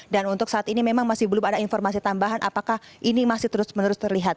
dan untuk saat ini memang masih belum ada informasi tambahan apakah ini masih terus menerus terlihat